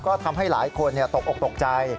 ก็ทำให้หลายคนตกออกตกใจ